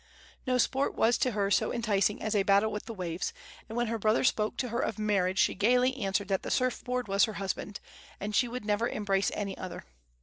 No sport was to her so enticing as a battle with the waves, and when her brother spoke to her of marriage she gaily answered that the surf board was her husband, and she would never embrace any other.